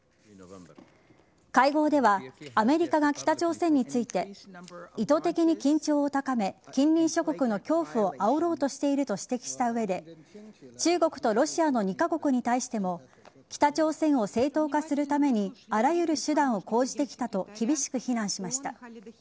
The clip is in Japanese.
会合ではアメリカが北朝鮮について意図的に緊張を高め近隣諸国の恐怖をあおろうとしていると指摘した上で中国とロシアの２カ国に対しても北朝鮮を正当化するためにあらゆる手段を講じてきたと厳しく非難しました。